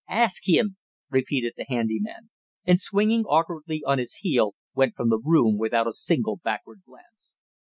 "Ask him!" repeated the handy man, and swinging awkwardly on his heel went from the room without a single backward glance.